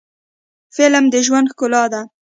فلم د ژوند ښکلا ده